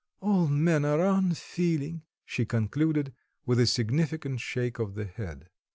All men are unfeeling," she concluded, with a significant shake of the head.